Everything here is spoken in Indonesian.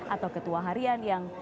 atau ketua harian yang